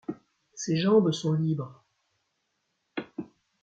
Ses jambes sont libres. ..